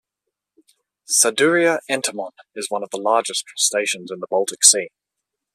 "Saduria entomon" is one of the largest crustaceans in the Baltic Sea.